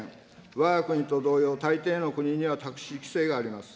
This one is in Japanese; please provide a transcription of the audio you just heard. わが国と同様、たいていの国にはタクシー規制があります。